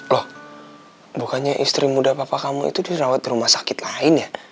loh bukannya istri muda papa kamu itu dirawat di rumah sakit lain ya